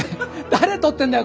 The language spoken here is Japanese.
誰撮ってんだよ